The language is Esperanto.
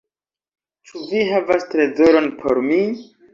Ĉu vi havas trezoron por mi?"